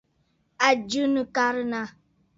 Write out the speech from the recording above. À jɨ nɨ̀karə̀ nâ.